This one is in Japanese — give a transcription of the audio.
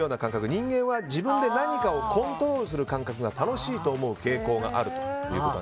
人間は自分で何かをコントロールする感覚が楽しいと思う傾向があるということ。